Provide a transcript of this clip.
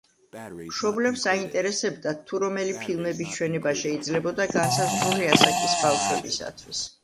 მშობლებს აინტერესებდათ, თუ რომელი ფილმების ჩვენება შეიძლებოდა განსაზღვრული ასაკის ბავშვებისთვის.